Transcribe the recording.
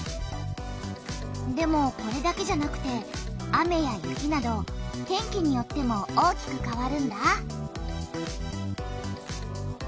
でもこれだけじゃなくて雨や雪など天気によっても大きくかわるんだ。